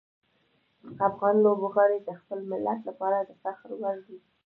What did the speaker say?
افغان لوبغاړي د خپل ملت لپاره د فخر وړ دي.